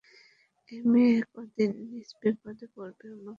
ই মেয়ে কদিন নিজে বিপদে পড়বে, আমাকেও বিপদে ফেলবে।